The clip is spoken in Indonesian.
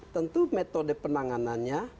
tentu metode penanganannya